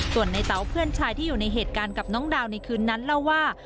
ส่วนในเต๋าเพื่อนชายที่อยู่ในเหตุการณ์กับน้องดาวในคืนนั้นเล่าว่า